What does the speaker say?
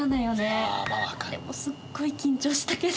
でもすっごい緊張したけど。